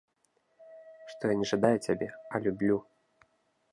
Што я не жадаю цябе, а люблю.